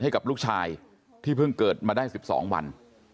ให้กับลูกชายที่เพิ่งเกิดมาได้๑๒วัน